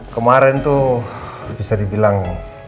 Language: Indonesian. kemarin tuh bisa dibilang